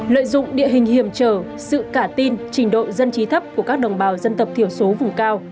lợi dụng địa hình hiểm trở sự cả tin trình độ dân trí thấp của các đồng bào dân tộc thiểu số vùng cao